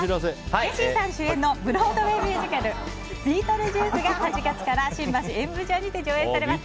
ジェシーさん主演のブロードウェーミュージカル「ビートルジュース」が８月から新橋演舞場にて上演されます。